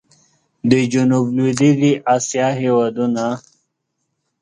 د جنوب لوېدیځي اسیا هېوادونه